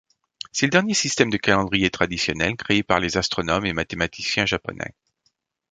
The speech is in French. C'est le dernier système de calendrier traditionnel créé par les astronomes et mathématiciens japonais.